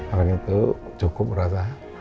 orang itu cukup berasa